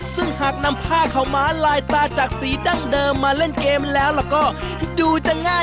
ซึ่งหากนำผ้าขาวม้าลายตาจากสีดั้งเดิมมาเล่นเกมแล้วแล้วก็ดูจะง่าย